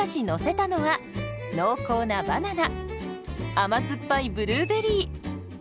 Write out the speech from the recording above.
甘酸っぱいブルーベリー。